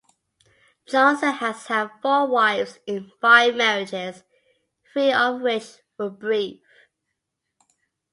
Johnson has had four wives in five marriages, three of which were brief.